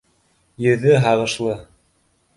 Йөҙө һағышлы